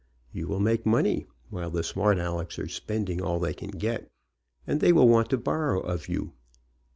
You will make money, while the smart Alecks are spending all they can get, and they will want to borrow of you.